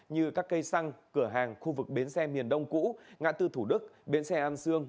như các cây xăng cửa hàng khu vực bến xe miền đông cũ ngã tư thủ đức bến xe an sương